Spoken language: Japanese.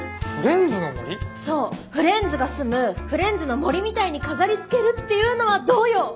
そうフレンズが住むフレンズの森みたいに飾りつけるっていうのはどうよ！